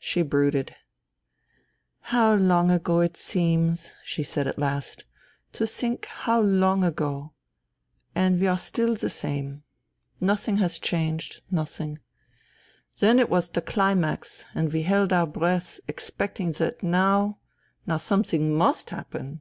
She brooded. " How long ago it seems," she said at last. " To think how long ago !... and we are still the same. Nothing has changed ... nothing. Then it was the climax, and we held our breath expecting that now ... now something must happen.